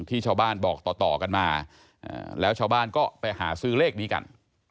ชาวบ้านบอกต่อกันมาแล้วชาวบ้านก็ไปหาซื้อเลขนี้กัน